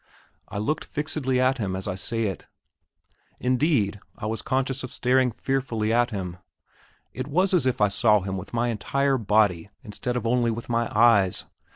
I looked fixedly at him as I say it, indeed I was conscious of staring fearfully at him. It was as if I saw him with my entire body instead of only with my eyes.